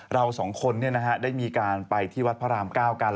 เราสองคนได้มีการไปที่วัดพระราม๙กัน